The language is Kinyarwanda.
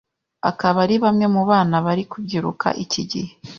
akaba ari bamwe mu bana bari kubyiruka iki gihe